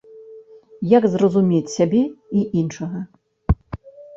Як зразумець сябе і іншага?